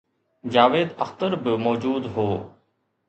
جاويد اختر به موجود هو